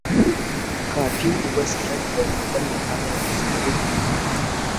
کافی اوبه څښل د بدن لپاره ضروري دي.